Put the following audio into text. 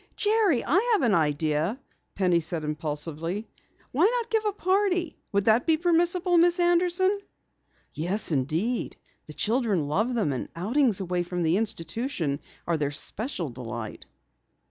"Jerry, I have an idea!" cried Penny impulsively. "Why not give a party? Would that be permissible, Miss Anderson?" "Indeed, yes. The children love them, and outings away from the institution are their special delight."